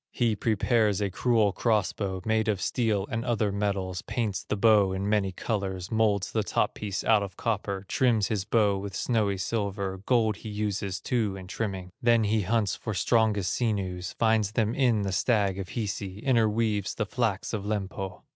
He prepares a cruel cross bow, Made of steel and other metals, Paints the bow in many colors, Molds the top piece out of copper, Trims his bow with snowy silver, Gold he uses too in trimming. Then he hunts for strongest sinews, Finds them in the stag of Hisi, Interweaves the flax of Lempo.